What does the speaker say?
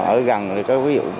ở gần thì có ví dụ